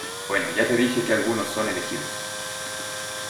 bueno, ya te dije que algunos son elegidos ,